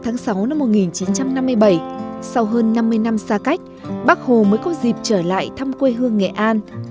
nhưng xa cách bác hồ mới có dịp trở lại thăm quê hương nghệ an